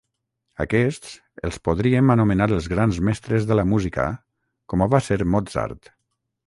Aquests els podríem anomenar els grans mestres de la música com ho va ser Mozart.